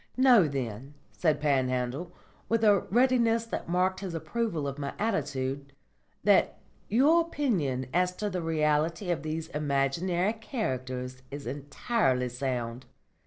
"Know, then," said Panhandle, with a readiness that marked his approval of my attitude, "that your opinion as to the reality of these imaginary characters is entirely sound.